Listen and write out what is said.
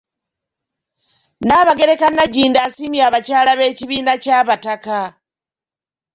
Nnaabagereka Nagginda asiimye abakyala b'ekibiina ky'Abataka.